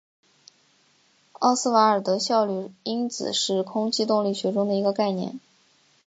奥斯瓦尔德效率因子是空气动力学中的一个概念。